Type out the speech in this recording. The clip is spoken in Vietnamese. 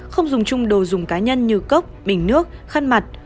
không dùng chung đồ dùng cá nhân như cốc bình nước khăn mặt